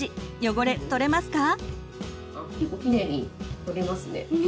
汚れ取れますか？